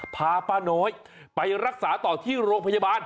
พาป้าน้อยไปรักษาต่อที่โรงพยาบาล